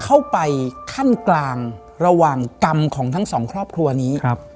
เข้าไปขั้นกลางระหว่างกรรมของทั้งสองครอบครัวนี้ครับ